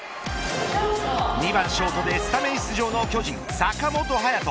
２番ショートでスタメン出場の巨人、坂本勇人。